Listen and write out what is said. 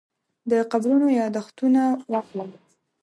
د قبرونو یاداښتونه واخلم.